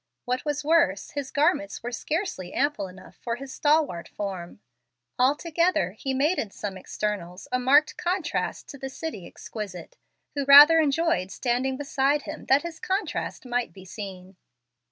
What was worse, his garments were scarcely ample enough for his stalwart form. Altogether he made in some externals a marked contrast to the city exquisite, who rather enjoyed standing beside him that this contrast might be seen.